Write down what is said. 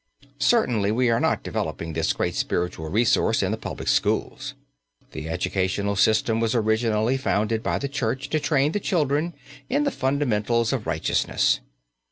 Certainly we are not developing this great spiritual resource in the public schools. The educational system was originally founded by the Church to train the children in the fundamentals of righteousness.